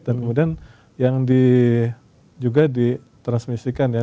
dan kemudian yang di juga di transmisikan ya